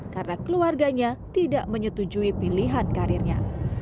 karena keluarganya tidak menyetujui pilihan karirnya